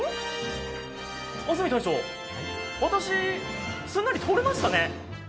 安住隊長、私、すんなり通れましたね。